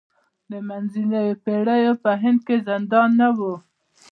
د منځنیو پېړیو په هند کې زندان نه و.